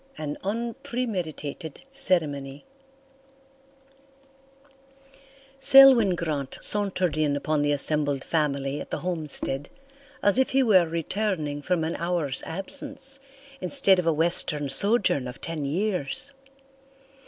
An Unpremeditated CeremonyToC Selwyn Grant sauntered in upon the assembled family at the homestead as if he were returning from an hour's absence instead of a western sojourn of ten years.